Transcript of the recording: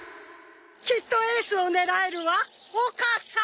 きっとエースを狙えるわ岡さん！